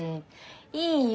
いいよ